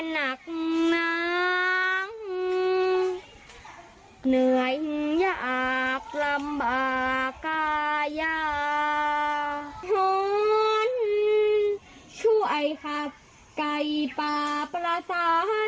ฮ่าช่วยครับไก่ป่าประสาจนสารวนเล่นทางไม่ห่างดู